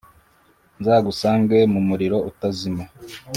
Nzagusange mumuriro utazima